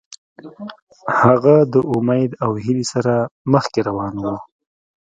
هغه د امید او هیلې سره مخکې روان و.